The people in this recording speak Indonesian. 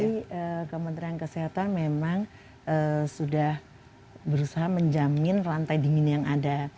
jadi kementerian kesehatan memang sudah berusaha menjamin rantai dingin yang ada